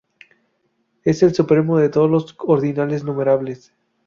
Es el supremo de todos los ordinales numerables.